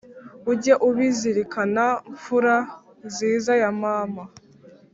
Ujye ubizirikana mfura nziza ya Mama !